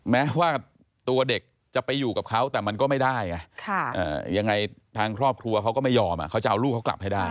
แม้ว่าตัวเด็กจะไปอยู่กับเขาแต่มันก็ไม่ได้ไงยังไงทางครอบครัวเขาก็ไม่ยอมเขาจะเอาลูกเขากลับให้ได้